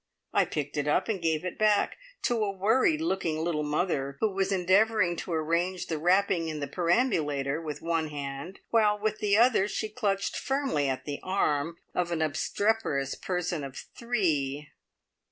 I picked it up, and gave it back to a worried looking little mother who was endeavouring to arrange the wrapping in the perambulator with one hand, while with the other she clutched firmly at the arm of an obstreperous person of three.